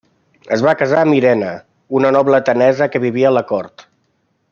Es va casar amb Irene, una noble atenesa que vivia a la cort.